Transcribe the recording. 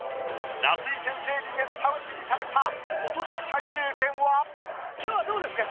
夏井先生にめった打ちにされた今日はどうですか？